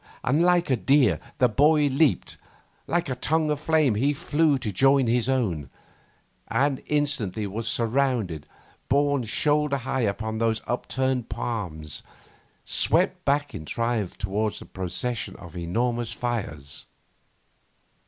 Like a deer the boy leaped; like a tongue of flame he flew to join his own; and instantly was surrounded, borne shoulder high upon those upturned palms, swept back in triumph towards the procession of enormous fires.